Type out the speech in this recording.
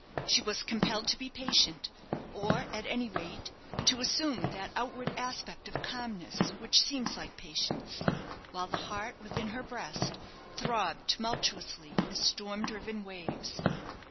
She was compelled to be patient, or, at any rate, to assume that outward aspect of calmness which seems like patience, while the heart within her breast throbbed tumultuously as storm driven waves.